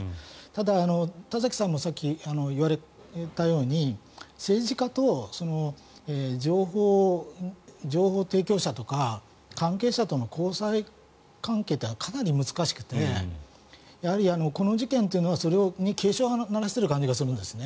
ただ、田崎さんもさっき言われたように政治家と情報提供者とか関係者との交際関係ってかなり難しくてこの事件というのはそれに警鐘を鳴らしている感じがするんです。